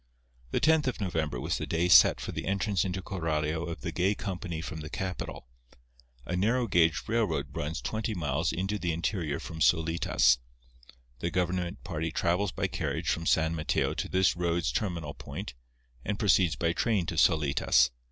The tenth of November was the day set for the entrance into Coralio of the gay company from the capital. A narrow gauge railroad runs twenty miles into the interior from Solitas. The government party travels by carriage from San Mateo to this road's terminal point, and proceeds by train to Solitas.